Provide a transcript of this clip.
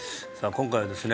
今回はですね